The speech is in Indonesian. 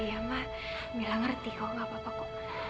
ya mak mila ngerti kok gak apa apa kok